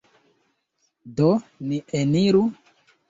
Do, ni eniru!